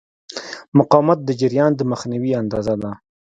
مقاومت د جریان د مخنیوي اندازه ده.